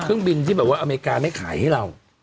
เครื่องบินที่แบบว่าอเมริกาไม่ขายให้เรา